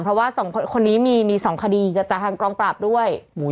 เพราะว่า๒คนนี้มี๒คดีจากทางกองปราบด้วย